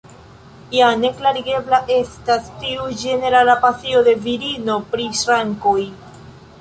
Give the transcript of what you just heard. Ja ne klarigebla estas tiu ĝenerala pasio de virino pri ŝrankoj.